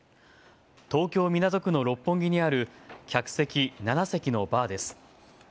東京・港区の六本木にある客席７席のバーです。